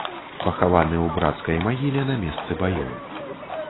Пахаваны ў брацкай магіле на месцы баёў.